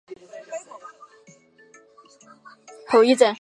他曾两度入选明星赛。